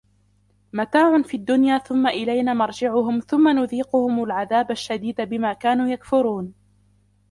مَتَاعٌ فِي الدُّنْيَا ثُمَّ إِلَيْنَا مَرْجِعُهُمْ ثُمَّ نُذِيقُهُمُ الْعَذَابَ الشَّدِيدَ بِمَا كَانُوا يَكْفُرُونَ